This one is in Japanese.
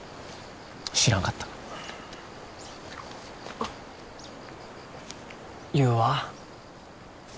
知らんかった優は？